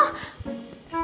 loh pak al